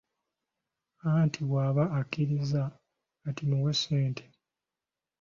Anti bw’aba akkirizza kati muwe ssente.